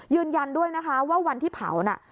ยืนยันด้วยนะคะว่าวันที่เผาน่ะ